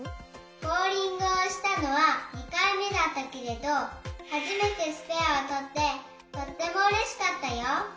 ボウリングをしたのは２かいめだったけれどはじめてスペアをとってとってもうれしかったよ。